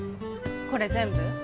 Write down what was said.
これ全部？